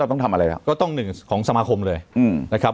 จริงก็ต้องหนึ่งของสมาคมเลยนะครับ